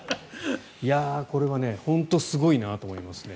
これは本当にすごいなと思いますね。